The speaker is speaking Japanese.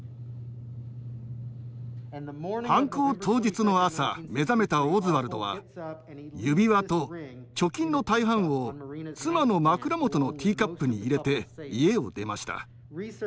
犯行当日の朝目覚めたオズワルドは指輪と貯金の大半を妻の枕元のティーカップに入れて家を出ました。